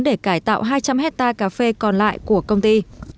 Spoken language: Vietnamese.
để cải tạo hai trăm linh hectare cà phê còn lại của công ty